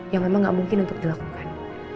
yang memang gak mungkin untuk dilakukan